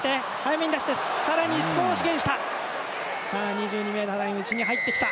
２２ｍライン内側に入ってきた。